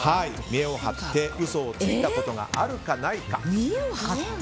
見栄を張って嘘をついたことがあるか、ないか。